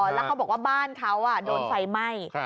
แล้วเขาบอกว่าบ้านเขาโดนไฟไหม้